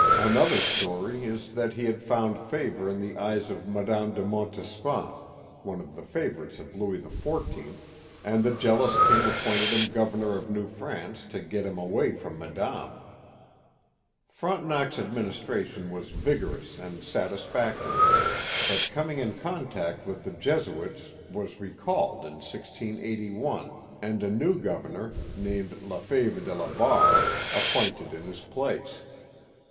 Another story is that he had found favor in the eyes of Madame de Montespan, one of the favorites of Louis XIV., and the jealous King appointed him Governor of New France to get him away from Madame. Frontenac*s administration was vigorous and satisfactory, q8 Count Frontenac and the Mohawk Valley 99 but coming in contact with the Jesuits was recalled in 1681, and a new Governor, named La Fevre de la Barre, appointed in his place.